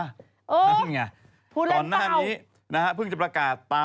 นั่นไงก่อนหน้านี้นะฮะพึ่งจะประกาศพูดเล่นเปล่า